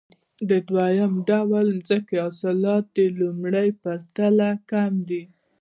د دویم ډول ځمکې حاصلات د لومړۍ په پرتله کم دي